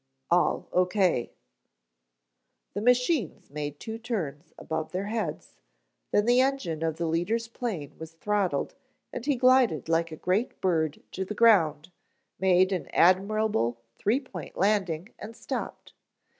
All O.K." The machines made two turns above their heads, then the engine of the leader's plane was throttled and he glided like a great bird to the ground, made an admirable three point landing and stopped.